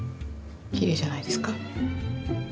きれいじゃないですか？